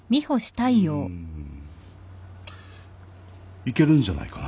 いけるんじゃないかな。